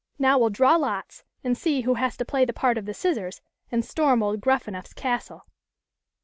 Now we'll draw lots and see who has to play the part of the Scissors and storm old Gruffanuff's castle."